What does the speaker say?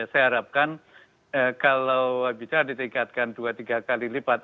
saya harapkan kalau bisa ditingkatkan dua tiga kali lipat